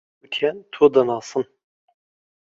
گوتیان تۆ دەناسن.